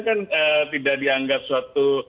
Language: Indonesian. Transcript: kan tidak dianggap suatu